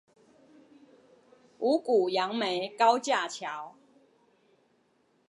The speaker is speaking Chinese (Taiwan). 五股楊梅高架橋